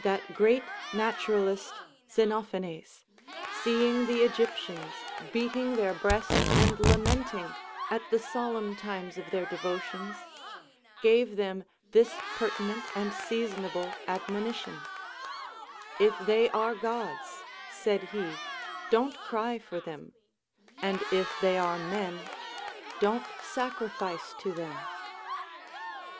That great naturalist Xenophanes, seeing the Egyptians beating their breasts and lamenting at the solemn times of their devotions, gave them this pertinent and seasonable admonition : If they are Gods (said he), don't cry for them ; and if they are men, don't sacrifice to them.